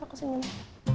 aku sih gini